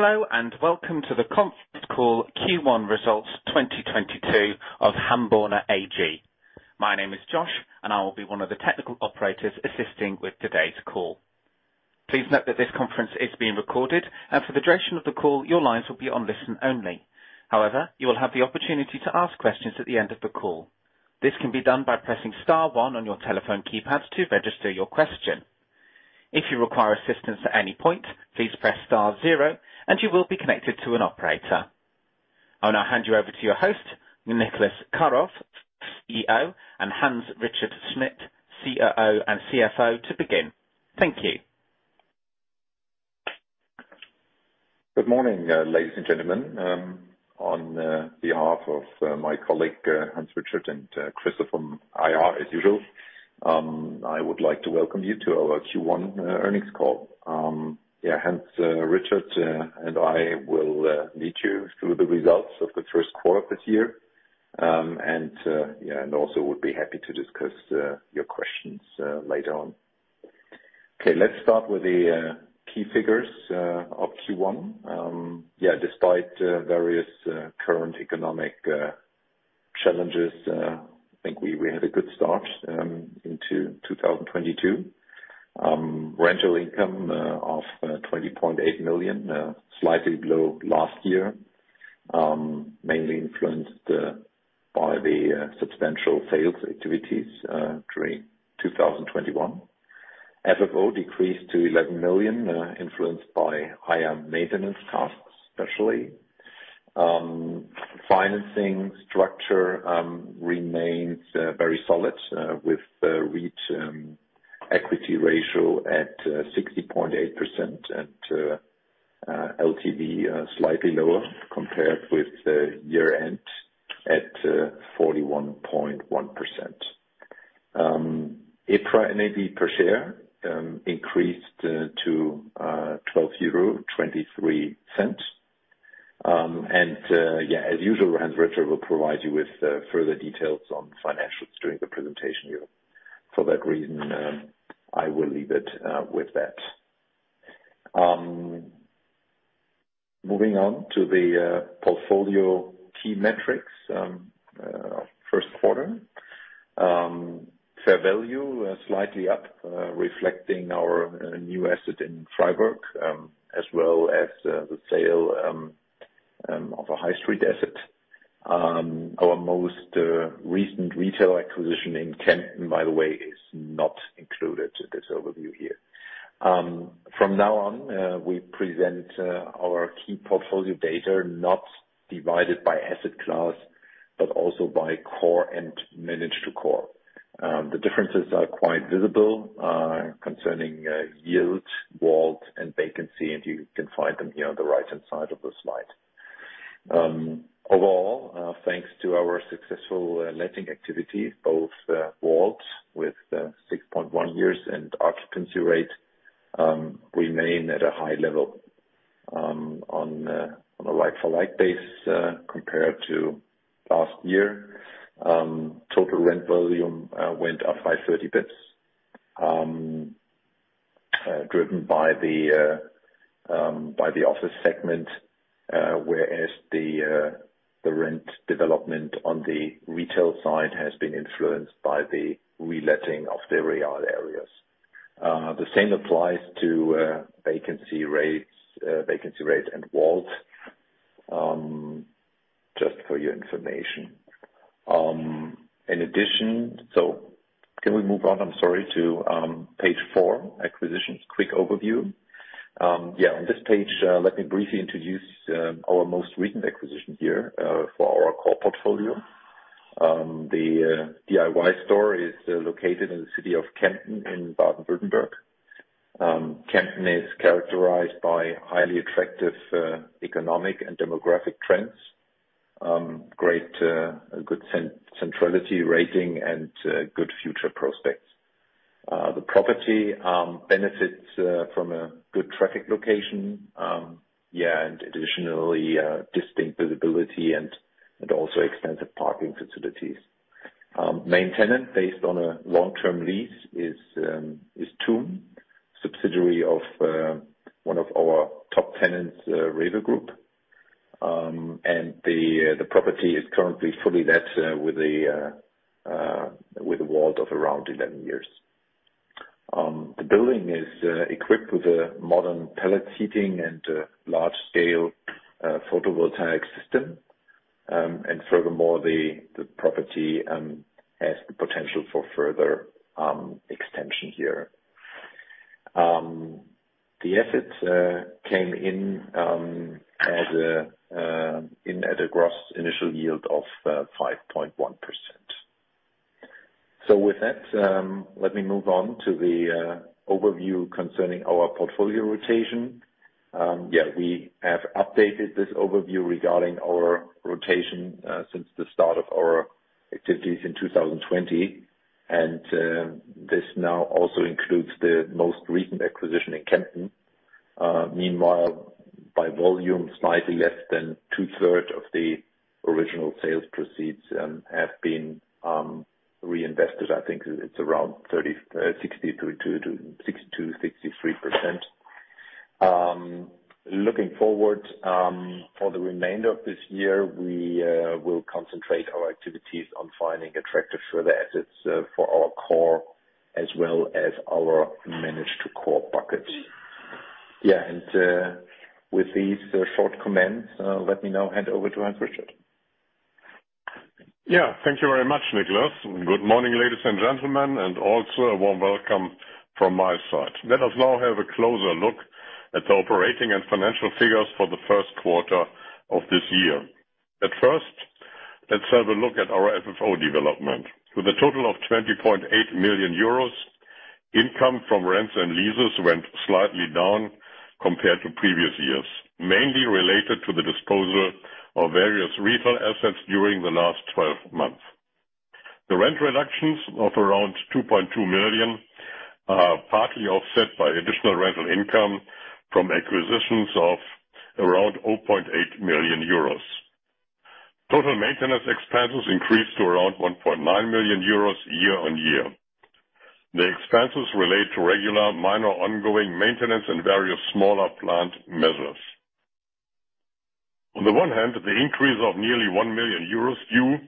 Hello, and welcome to the conference call Q1 results 2022 of Hamborner REIT AG. My name is Josh, and I will be one of the technical operators assisting with today's call. Please note that this conference is being recorded, and for the duration of the call, your lines will be on listen only. However, you will have the opportunity to ask questions at the end of the call. This can be done by pressing star one on your telephone keypad to register your question. If you require assistance at any point, please press star zero, and you will be connected to an operator. I will now hand you over to your host, Niclas Karoff, CEO, and Hans Richard Schmitz, COO and CFO, to begin. Thank you. Good morning, ladies and gentlemen. On behalf of my colleague, Hans-Richard and Christopher from IR, as usual, I would like to welcome you to our Q1 earnings call. Hans-Richard and I will lead you through the results of the first quarter of this year, and also would be happy to discuss your questions later on. Okay, let's start with the key figures of Q1. Despite various current economic challenges, I think we had a good start into 2022. Rental income of 20.8 million, slightly below last year, mainly influenced by the substantial sales activities during 2021. FFO decreased to 11 million, influenced by higher maintenance costs, especially. Financing structure remains very solid, with REIT equity ratio at 60.8% and LTV slightly lower compared with the year-end at 41.1%. EPRA NAV per share increased to 12.23 euro. Yeah, as usual, Hans-Richard will provide you with further details on financials during the presentation here. For that reason, I will leave it with that. Moving on to the portfolio key metrics, first quarter. Fair value slightly up, reflecting our new asset in Freiburg, as well as the sale of a high street asset. Our most recent retail acquisition in Kempten, by the way, is not included in this overview here. From now on, we present our key portfolio data, not divided by asset class, but also by core and managed to core. The differences are quite visible concerning yield, WALT, and vacancy, and you can find them here on the right-hand side of the slide. Overall, thanks to our successful letting activity, both WALTs with 6.1 years and occupancy rate remain at a high level on a like-for-like basis compared to last year. Total rent volume went up by 30 basis points, driven by the office segment, whereas the rent development on the retail side has been influenced by the reletting of the Real areas. The same applies to vacancy rates and WALTs, just for your information. In addition, can we move on, I'm sorry, to page four, acquisitions, quick overview. On this page, let me briefly introduce our most recent acquisition here for our core portfolio. The DIY store is located in the city of Kempten in Bavaria. Kempten is characterized by highly attractive economic and demographic trends, good centrality rating and good future prospects. The property benefits from a good traffic location and additionally distinct visibility and also extensive parking facilities. Main tenant, based on a long-term lease, is toom, subsidiary of one of our top tenants, REWE Group. The property is currently fully let with a WALT of around 11 years. The building is equipped with a modern pellet heating and a large-scale photovoltaic system. Furthermore, the property has the potential for further extension here. The assets came in at a gross initial yield of 5.1%. With that, let me move on to the overview concerning our portfolio rotation. Yeah, we have updated this overview regarding our rotation since the start of our activities in 2020. This now also includes the most recent acquisition in Kempten. Meanwhile, by volume, slightly less than two-thirds of the original sales proceeds have been reinvested. I think it's around 60%-63%. Looking forward, for the remainder of this year, we will concentrate our activities on finding attractive further assets for our core as well as our manage to core buckets. Yeah. With these short comments, let me now hand over to Hans-Richard. Yeah. Thank you very much, Niclas. Good morning, ladies and gentlemen, and also a warm welcome from my side. Let us now have a closer look at the operating and financial figures for the first quarter of this year. First, let's have a look at our FFO development. With a total of 20.8 million euros, income from rents and leases went slightly down compared to previous years, mainly related to the disposal of various retail assets during the last 12 months. The rent reductions of around 2.2 million are partly offset by additional rental income from acquisitions of around 0.8 million euros. Total maintenance expenses increased to around 1.9 million euros year on year. The expenses relate to regular minor ongoing maintenance and various smaller planned measures. On the one hand, the increase of nearly 1 million euros due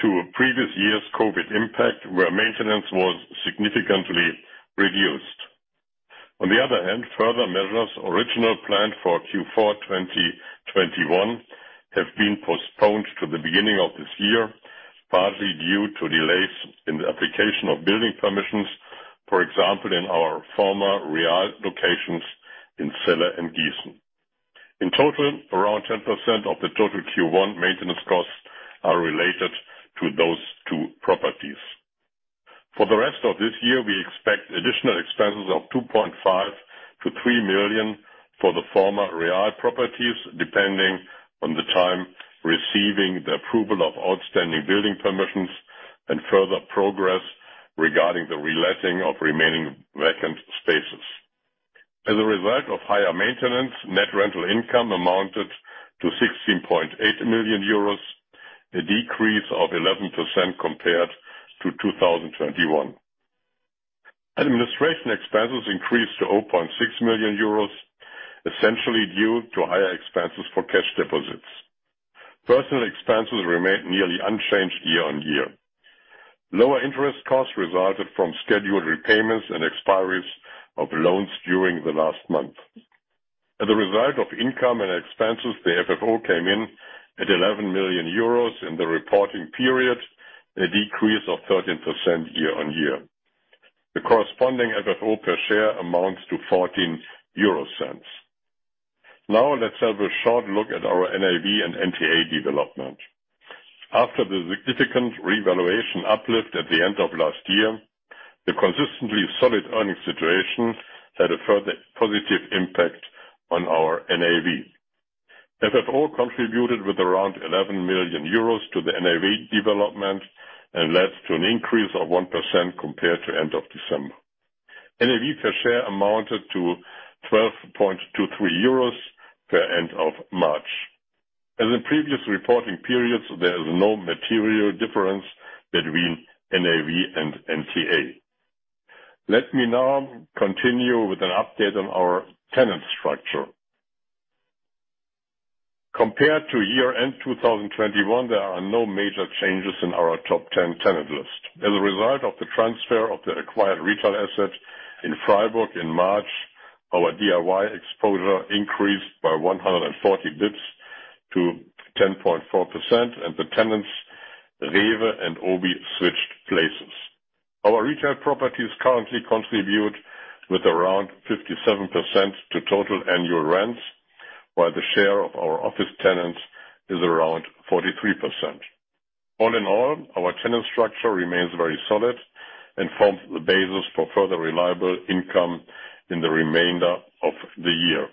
to previous year's COVID impact, where maintenance was significantly reduced. On the other hand, further measures originally planned for Q4 2021 have been postponed to the beginning of this year, partly due to delays in the application of building permissions, for example, in our former Real locations in Celle and Giessen. In total, around 10% of the total Q1 maintenance costs are related to those two properties. For the rest of this year, we expect additional expenses of 2.5 million-3 million for the former Real properties, depending on the time receiving the approval of outstanding building permissions and further progress regarding the reletting of remaining vacant spaces. As a result of higher maintenance, net rental income amounted to 16.8 million euros, a decrease of 11% compared to 2021. Administration expenses increased to 0.6 million euros, essentially due to higher expenses for cash deposits. Personnel expenses remained nearly unchanged year-on-year. Lower interest costs resulted from scheduled repayments and expiries of loans during the last month. As a result of income and expenses, the FFO came in at 11 million euros in the reporting period, a decrease of 13% year-on-year. The corresponding FFO per share amounts to 0.14. Now let's have a short look at our NAV and NTA development. After the significant revaluation uplift at the end of last year, the consistently solid earnings situation had a further positive impact on our NAV. FFO contributed with around 11 million euros to the NAV development and led to an increase of 1% compared to end of December. NAV per share amounted to 12.23 euros per end of March. As in previous reporting periods, there is no material difference between NAV and NTA. Let me now continue with an update on our tenant structure. Compared to year-end 2021, there are no major changes in our top 10 tenant list. As a result of the transfer of the acquired retail asset in Freiburg in March, our DIY exposure increased by 140 bps to 10.4%, and the tenants, REWE and OBI, switched places. Our retail properties currently contribute with around 57% to total annual rents, while the share of our office tenants is around 43%. All in all, our tenant structure remains very solid and forms the basis for further reliable income in the remainder of the year.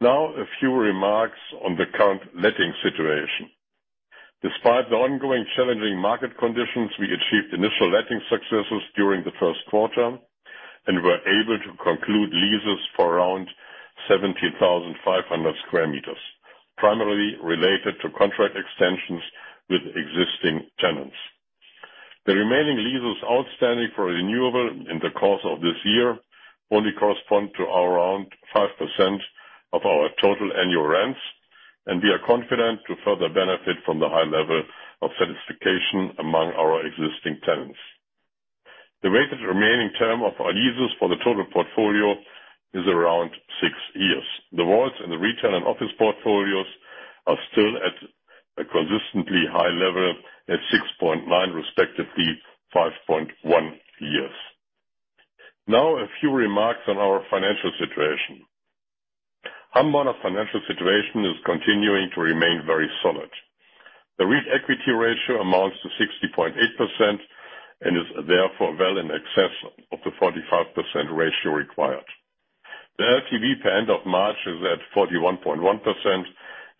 Now, a few remarks on the current letting situation. Despite the ongoing challenging market conditions, we achieved initial letting successes during the first quarter and were able to conclude leases for around 17,500 sqm, primarily related to contract extensions with existing tenants. The remaining leases outstanding for renewal in the course of this year only correspond to around 5% of our total annual rents, and we are confident to further benefit from the high level of satisfaction among our existing tenants. The weighted remaining term of our leases for the total portfolio is around six years. The WALTs in the retail and office portfolios are still at a consistently high level at 6.9, respectively 5.1 years. Now, a few remarks on our financial situation. Hamborner's financial situation is continuing to remain very solid. The REIT equity ratio amounts to 60.8% and is therefore well in excess of the 45% ratio required. The LTV at end of March is at 41.1%,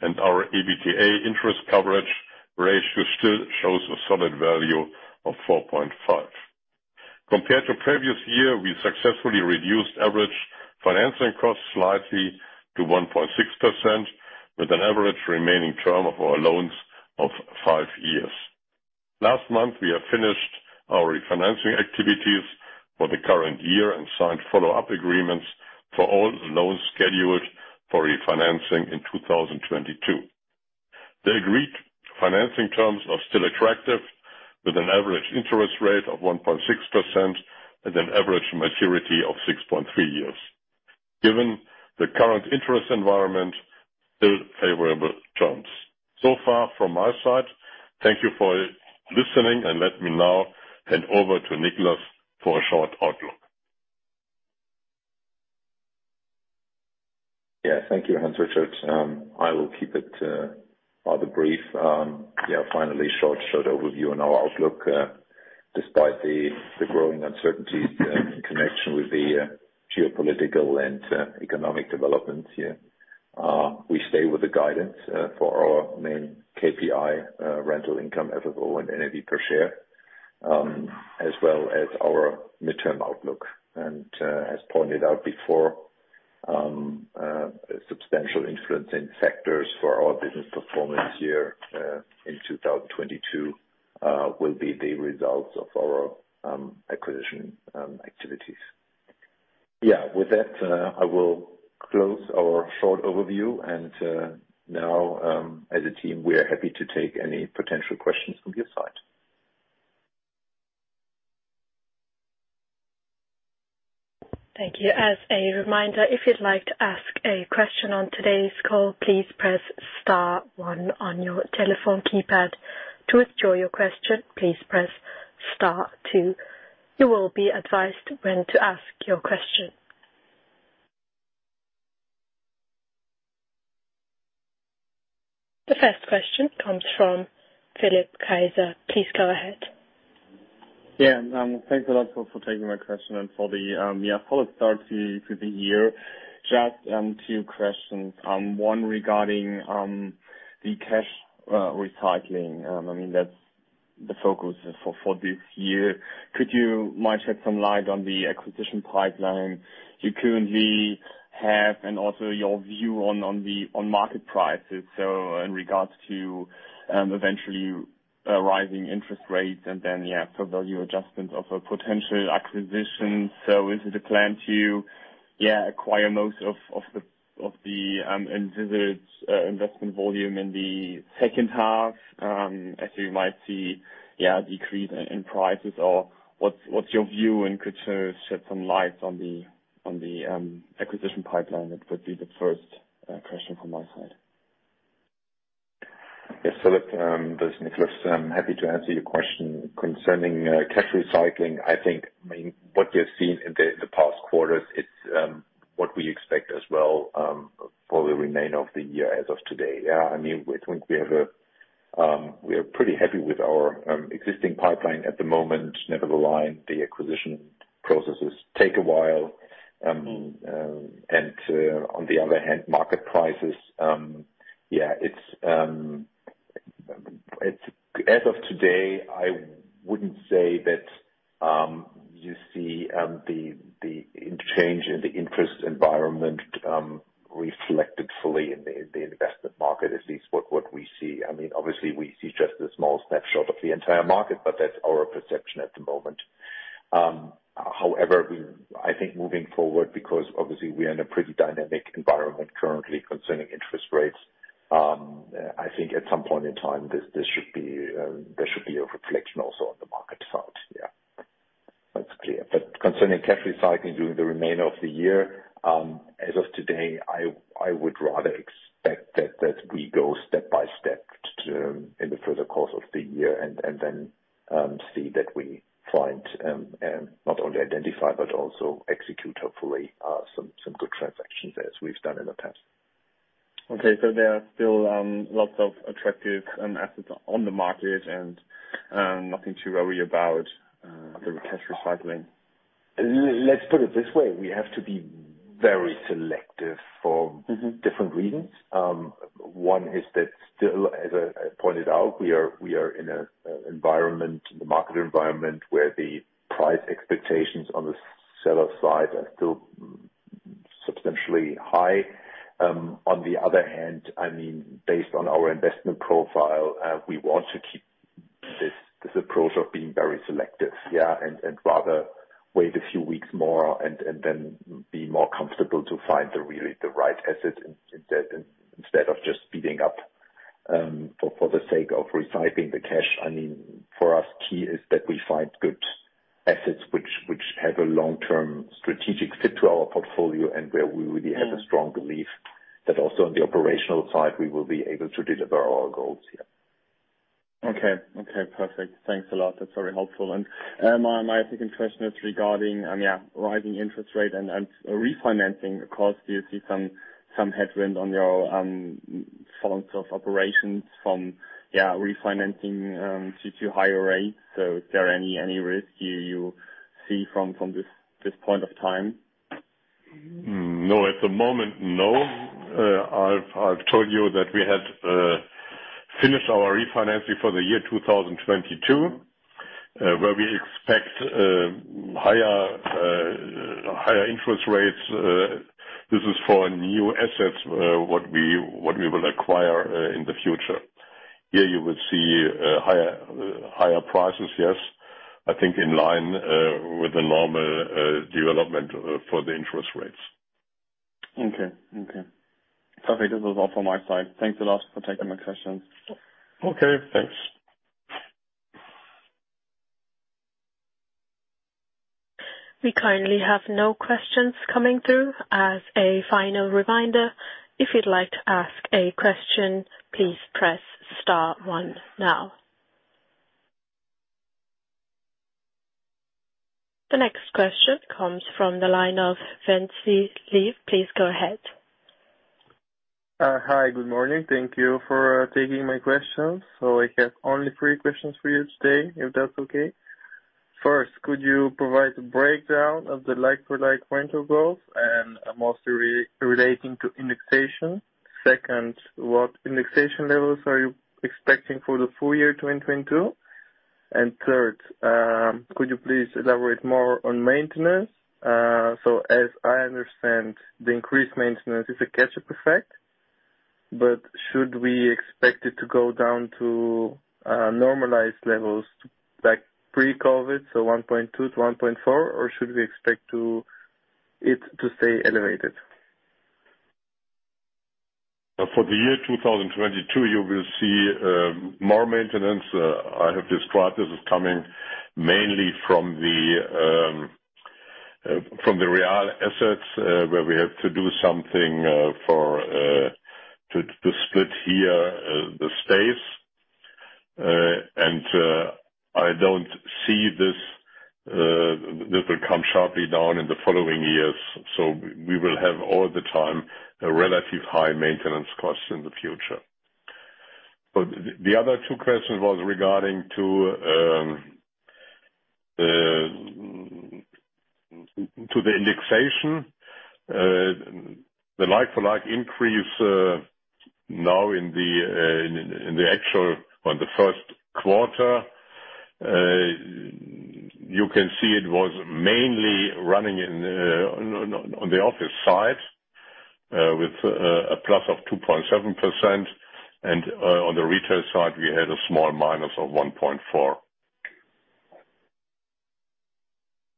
and our EBITDA interest coverage ratio still shows 4.5. Compared to previous year, we successfully reduced average financing costs slightly to 1.6% with an average remaining term of our loans of five years. Last month, we have finished our refinancing activities for the current year and signed follow-up agreements for all loans scheduled for refinancing in 2022. The agreed financing terms are still attractive with an average interest rate of 1.6% and an average maturity of 6.3 years. Given the current interest environment, still favorable terms. So far from my side. Thank you for listening, and let me now hand over to Niclas for a short outlook. Yeah. Thank you, Hans Richard. I will keep it rather brief. Yeah, finally short overview on our outlook. Despite the growing uncertainties in connection with the geopolitical and economic developments here, we stay with the guidance for our main KPI, rental income, FFO and NAV per share, as well as our midterm outlook. As pointed out before, substantial influencing factors for our business performance here, in 2022, will be the results of our acquisition activities. Yeah. With that, I will close our short overview and now, as a team, we are happy to take any potential questions from your side. Thank you. As a reminder, if you'd like to ask a question on today's call, please press star one on your telephone keypad. To withdraw your question, please press star two. You will be advised when to ask your question. The first question comes from Philipp Kaiser. Please go ahead. Yeah, thanks a lot for taking my question and for the yeah for the start to the year. Just two questions. One regarding the cash recycling. I mean that's the focus for this year. Could you might shed some light on the acquisition pipeline you currently have and also your view on the market prices, so in regards to eventually rising interest rates and then yeah for value adjustments of a potential acquisition. Is it a plan to yeah acquire most of the investment volume in the second half, as you might see yeah a decrease in prices? Or what's your view, and could you shed some light on the acquisition pipeline? That would be the first question from my side. Yeah. Philipp, this is Niclas. I'm happy to answer your question concerning cash recycling. I think, I mean, what you've seen in the past quarters, it's what we expect as well for the remainder of the year as of today. Yeah, I mean, I think we are pretty happy with our existing pipeline at the moment. Nevertheless, the acquisition processes take a while. On the other hand, market prices, yeah, it's as of today, I wouldn't say that you see the change in the interest environment reflected fully in the investment market, at least what we see. I mean, obviously, we see just a small snapshot of the entire market, but that's our perception at the moment. However, I think moving forward, because obviously we are in a pretty dynamic environment currently concerning interest rates, I think at some point in time, there should be a reflection also on the market side. Yeah. That's clear. Concerning cash recycling during the remainder of the year, as of today, I would rather expect that we go step by step in the further course of the year and then see that we find not only identify but also execute hopefully some good transactions as we've done in the past. Okay. There are still lots of attractive assets on the market and nothing to worry about the cash recycling. Let's put it this way. We have to be very selective for Mm-hmm. Different reasons. One is that still, as I pointed out, we are in an environment, in the market environment where the price expectations on the seller side are still substantially high. On the other hand, I mean, based on our investment profile, we want to keep this approach of being very selective, yeah, and rather wait a few weeks more and then be more comfortable to find the really, the right asset instead of just speeding up for the sake of recycling the cash. I mean, for us, key is that we find good assets which have a long-term strategic fit to our portfolio and where we really have a strong belief that also on the operational side, we will be able to deliver our goals here. Okay, perfect. Thanks a lot. That's very helpful. My second question is regarding rising interest rate and refinancing costs. Do you see some headwind on your performance of operations from refinancing due to higher rates? Is there any risk you see from this point of time? No. At the moment, no. I've told you that we had finished our refinancing for the year 2022, where we expect higher interest rates. This is for new assets, what we will acquire in the future. Here you will see higher prices, yes. I think in line with the normal development for the interest rates. Okay. Okay. Perfect. This is all from my side. Thanks a lot for taking my questions. Okay. Thanks. We currently have no questions coming through. As a final reminder, if you'd like to ask a question, please press star one now. The next question comes from the line of Pansy Lee. Please go ahead. Hi. Good morning. Thank you for taking my questions. I have only three questions for you today, if that's okay. First, could you provide a breakdown of the like-for-like rental growth and mostly relating to indexation? Second, what indexation levels are you expecting for the full year 2022? Third, could you please elaborate more on maintenance? As I understand, the increased maintenance is a catch-up effect, but should we expect it to go down to normalized levels like pre-COVID, so 1.2%-1.4%, or should we expect it to stay elevated? For the year 2022, you will see more maintenance. I have described this is coming mainly from the Real assets, where we have to do something to split here the space. I don't see this will come sharply down in the following years. We will have all the time a relative high maintenance cost in the future. The other two questions was regarding to the indexation. The like-for-like increase now in the actual or the first quarter. You can see it was mainly running in on the office side with a plus of 2.7%. On the retail side, we had a small minus of 1.4%.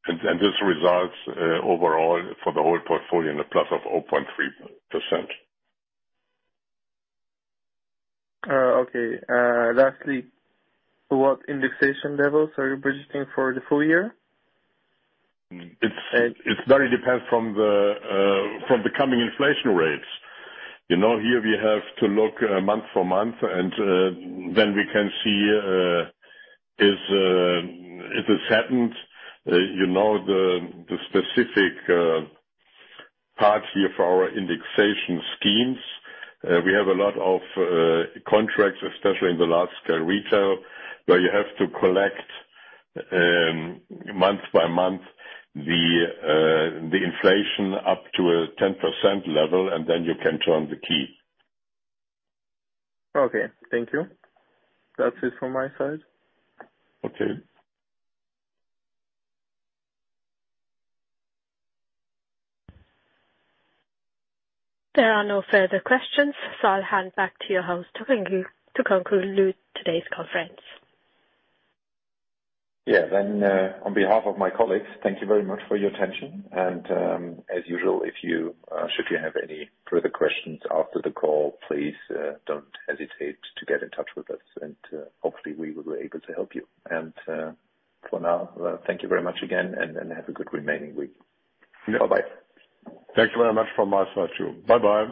This results overall for the whole portfolio in the plus of 0.3%. Okay. Lastly, what indexation levels are you budgeting for the full year? It very much depends on the coming inflation rates. You know, here we have to look month to month, and then we can see if it happens. You know, the specific parts here for our indexation schemes. We have a lot of contracts, especially in the large-scale retail, where you have to collect month by month the inflation up to a 10% level, and then you can turn the key. Okay. Thank you. That's it from my side. Okay. There are no further questions. I'll hand back to your host to conclude today's conference. Yeah. On behalf of my colleagues, thank you very much for your attention. As usual, if you should have any further questions after the call, please don't hesitate to get in touch with us. Hopefully we will be able to help you. For now, thank you very much again and have a good remaining week. Bye-bye. Thank you very much from my side too. Bye-bye.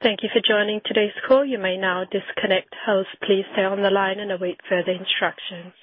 Thank you for joining today's call. You may now disconnect. Hosts, please stay on the line and await further instructions.